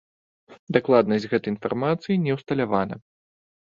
Дакладнасць гэтай інфармацыі не ўсталявана.